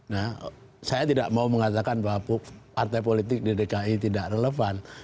nah saya tidak mau mengatakan bahwa partai politik di dki tidak relevan